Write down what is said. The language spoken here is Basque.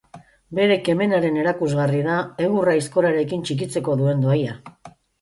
Bere kemenaren erakusgarri da egurra aizkorarekin txikitzeko duen dohaina.